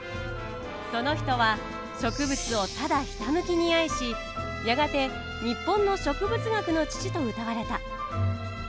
その人は植物をただひたむきに愛しやがて日本の植物学の父とうたわれた。